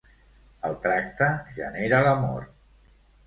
El tracte genera l'amor.